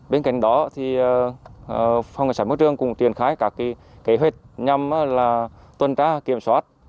bên cạnh đó phòng cảnh sát môi trường cũng triển khai các kế hoạch nhằm tuần tra kiểm soát